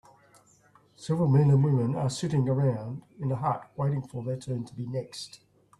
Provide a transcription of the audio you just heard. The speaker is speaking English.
Several men and women are sitting around in a hut waiting for their turn to be next.